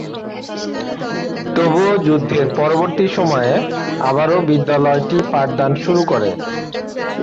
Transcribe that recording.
তবুও যুদ্ধের পরবর্তী সময়ে আবারও বিদ্যালয়টি পাঠদান শুরু করে।